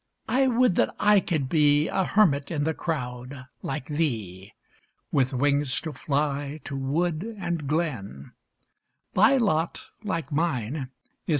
I would that I could be A hermit in the crowd like thee ! With wings to fly to wood and glen, Thy lot, like mine, is